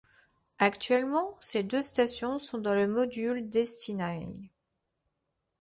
Actuellement, ces deux stations sont dans le module Destiny.